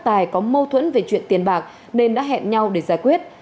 tài có mâu thuẫn về chuyện tiền bạc nên đã hẹn nhau để giải quyết